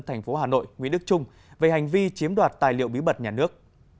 tp hà nội nguyễn đức trung về hành vi chiếm đoạt tài liệu bí mật nhà nước